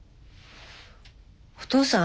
お義父さん